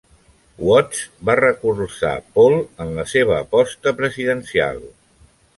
Watts va recolzar Paul en la seva aposta presidencial.